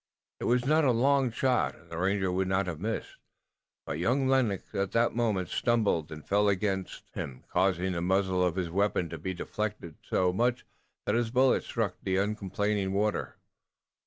It was not a long shot and the ranger would not have missed, but young Lennox at that moment stumbled and fell against him, causing the muzzle of his weapon to be deflected so much that his bullet struck the uncomplaining water.